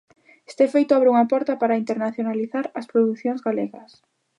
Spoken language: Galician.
Este feito abre unha porta para internacionalizar as producións galegas.